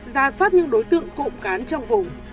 ra soát những đối tượng cộng cán trong vùng